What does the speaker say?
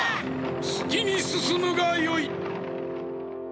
すきにすすむがよい。